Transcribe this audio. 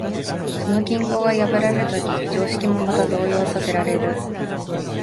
その均衡が破られるとき、常識もまた動揺させられる。